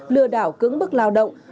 lừa đảo cứng bức lao động